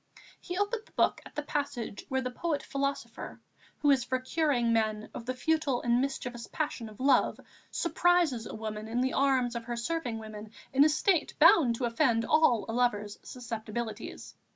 He opened the book at the passage where the poet philosopher, who is for curing men of the futile and mischievous passion of love, surprises a woman in the arms of her serving women in a state bound to offend all a lover's susceptibilities.